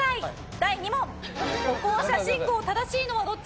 第２問歩行者信号、正しいのどっち。